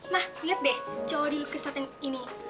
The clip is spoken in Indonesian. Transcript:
mah lihat deh cowok di lukis saat ini